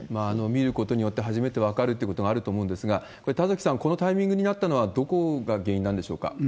見ることによって、初めて分かるってことがあると思うんですが、これ、田崎さん、このタイミングになったのはどこが原因なんでしょうか？